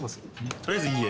とりあえず家。